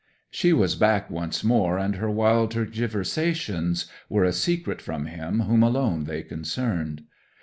She was back once more, and her wild tergiversations were a secret from him whom alone they concerned.